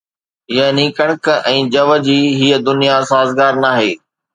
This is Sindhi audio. يعني ڪڻڪ ۽ جَوَ جي هيءَ دنيا سازگار ناهي